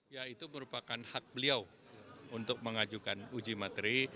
ya itu merupakan hak beliau untuk mengajukan uji materi